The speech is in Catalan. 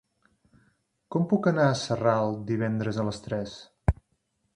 Com puc anar a Sarral divendres a les tres?